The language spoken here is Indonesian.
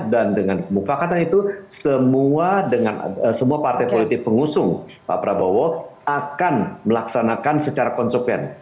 dan dengan kemufakatannya itu semua partai politik pengusung pak prabowo akan melaksanakan secara konsumen